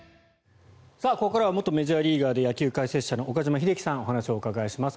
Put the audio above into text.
ここからは元メジャーリーガーで野球解説者の岡島秀樹さんにお話をお伺いします。